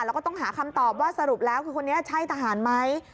แล้วก็ต้องหาคำตอบว่าสรุปแล้วคือคนนี้ใช่ทหารไหม